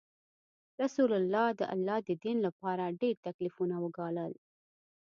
رسول الله د الله د دین لپاره ډیر تکلیفونه وګالل.